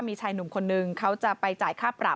มีชายหนุ่มคนนึงเขาจะไปจ่ายค่าปรับ